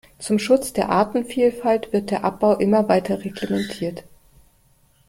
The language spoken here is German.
Zum Schutz der Artenvielfalt wird der Abbau immer weiter reglementiert.